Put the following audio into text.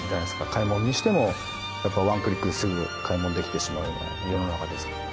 買い物にしてもやっぱりワンクリックですぐ買い物できてしまうような世の中ですから。